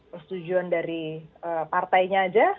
persetujuan dari partainya aja